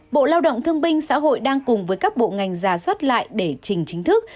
bộ lao động thương binh xã hội đang cùng với các bộ ngành giả soát lại để trình chính thức